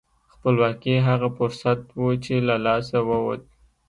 خپلواکي هغه فرصت و چې له لاسه ووت.